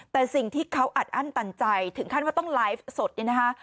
แต่สิ่งที่เขาอัดอั้นตันใจถึงขั้นว่าต้องไลฟ์สดเนี่ยนะคะ